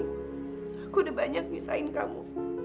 aku udah banyak misahin kamu